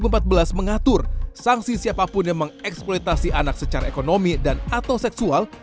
pasal tujuh puluh enam undang undang tiga puluh lima dua ribu empat belas mengatur sanksi siapapun yang mengeksploitasi anak secara ekonomi dan atau seksual